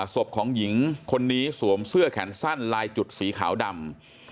ศพของหญิงคนนี้สวมเสื้อแขนสั้นลายจุดสีขาวดำ